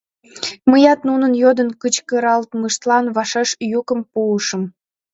Мыят нунын йодын кычкыралмыштлан вашеш йӱкым пуышым.